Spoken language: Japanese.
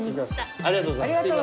ありがとうございます。